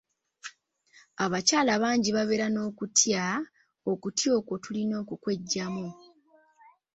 Abakyala bangi babeera n'okutya, okutya okwo tulina okukweggyamu.